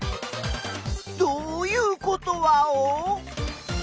どういうことワオ？